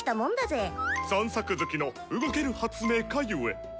散策好きの動ける発明家ゆえ！